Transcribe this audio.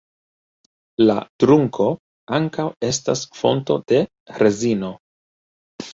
La trunko ankaŭ estas fonto de rezino.